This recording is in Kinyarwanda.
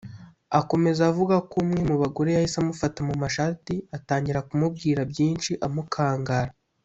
Akomeza avuga ko umwe mu bagore yahise amufata mu mashati atangira kumubwira byinshi amukangara